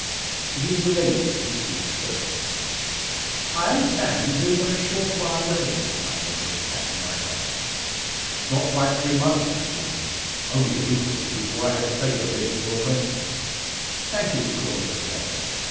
It is the lady who speaks first: "I understand you've been but a short while resident in our neighbourhood, Captain Ryecroft?" "Not quite three months, Miss Wynn. Only a week or two before I had the pleasure of making your acquaintance." "Thank you for calling it a pleasure.